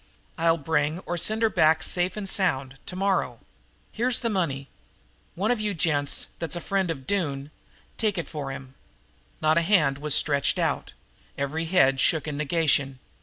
I'll bring or send her back safe and sound, tomorrow. Here's the money. One of you gents, that's a friend of Doone, take it for him." Not a hand was stretched out; every head shook in negation.